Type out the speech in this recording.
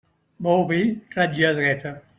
Bou vell, ratlla dreta.